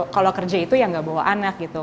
kalau kerja itu ya nggak bawa anak gitu